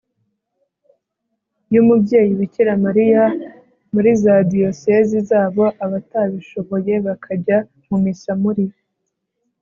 y'umubyeyi bikira mariya muri za diyosezi zabo, abatabishoboye bakajya mu missa muri